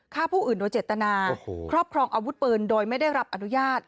ฆ่าผู้อื่นโดยเจตนาครอบครองอาวุธปืนโดยไม่ได้รับอนุญาต